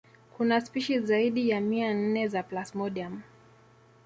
Kuna spishi zaidi ya mia nne za plasmodium